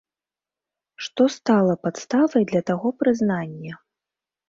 Што стала падставай для таго прызнання?